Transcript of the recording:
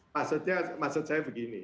maksudnya maksud saya begini